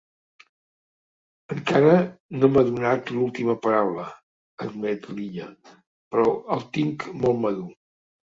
Encara no m'ha donat l'última paraula —admet l'Illa—, però el tinc molt madur.